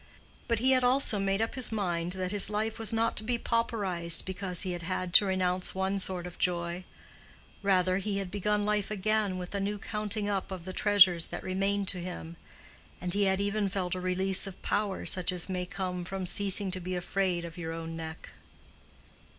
But he had also made up his mind that his life was not to be pauperized because he had had to renounce one sort of joy; rather, he had begun life again with a new counting up of the treasures that remained to him, and he had even felt a release of power such as may come from ceasing to be afraid of your own neck.